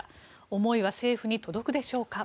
思いは政府に届くでしょうか。